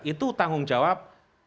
itu tanggung jawab